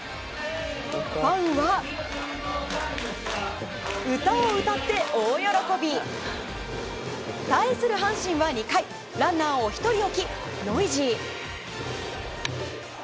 ファンは、歌を歌って大喜び！対する阪神は２回ランナーを１人置き、ノイジー。